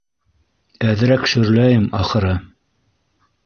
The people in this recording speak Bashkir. Әҙерәк шөрләйем, ахыры.